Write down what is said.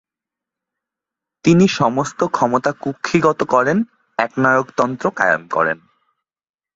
তিনি সমস্ত ক্ষমতা কুক্ষিগত করেন একনায়কতন্ত্র কায়েম করেন।